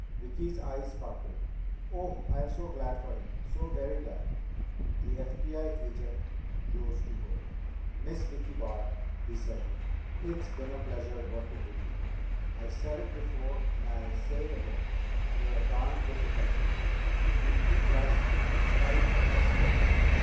Vicki's eyes sparkled. "Oh, I'm so glad for him. So very glad!" The FBI agent rose to go. "Miss Vicki Barr," he said, "it's been a pleasure working with you. I've said it before and I say it again you're a darn good detective." Vicki blushed in spite of herself.